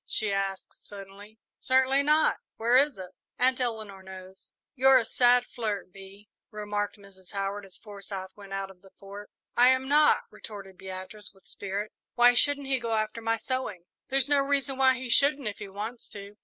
she asked, suddenly. "Certainly not where is it?" "Aunt Eleanor knows." "You're a sad flirt, Bee," remarked Mrs. Howard, as Forsyth went out of the Fort. "I am not," retorted Beatrice, with spirit. "Why shouldn't he go after my sewing?" "There's no reason why he shouldn't, if he wants to."